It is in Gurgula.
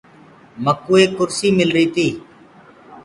مڪوُ ايڪ ڪُرسي ملري تي۔